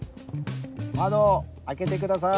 窓開けてください。